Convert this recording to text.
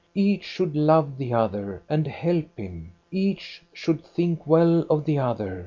Each should love the other, and help him. Each should think well of the other.